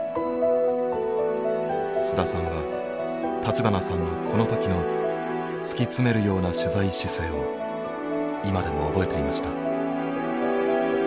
須田さんは立花さんのこの時の突き詰めるような取材姿勢を今でも覚えていました。